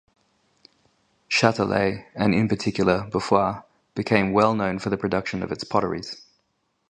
Chatelet, and, in particular, Bouffioux, became well known for the production of its potteries.